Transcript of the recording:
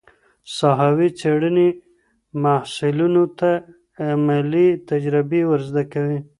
ساحوي څېړني محصلینو ته عملي تجربې ور زده کوي.